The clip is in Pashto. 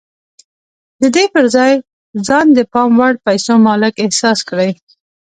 د دې پر ځای ځان د پام وړ پيسو مالک احساس کړئ.